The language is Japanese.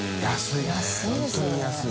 造本当に安い。